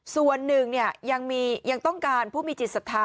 ส่วนหนึ่งเนี่ยยังต้องการผู้มีจิตศัพท์